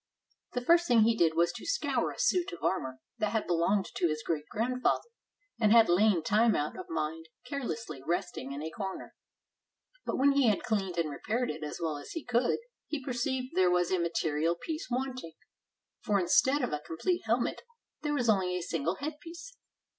The first thing he did was to scour a suit of armor that had belonged to his great grandfather, and had lain time out of mind carelessly rusting in a corner; but when he had cleaned and repaired it as well as he could, he perceived there was a material piece wanting, for, instead of a complete helmet, there was only a single headpiece.